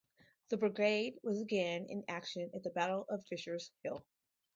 The brigade was again in action at the Battle of Fisher's Hill.